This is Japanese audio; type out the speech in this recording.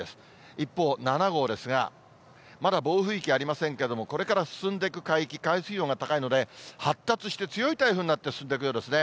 一方、７号ですが、まだ暴風域ありませんけれども、これから進んでいく海域、海水温が高いので、発達して、強い台風になって進んでいくようですね。